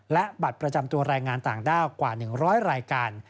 และบัตรประจำตัวแรงงานต่างด้าวกว่า๑๐๐รายการ